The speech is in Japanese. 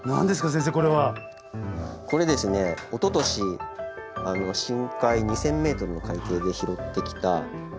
先生これは。これですねおととし深海２，０００ｍの海底で拾ってきた缶です。